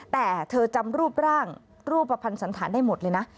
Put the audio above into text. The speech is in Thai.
แต่เธอจำรูปร่างรูปภัณฑ์สันธารได้หมดเลยนะ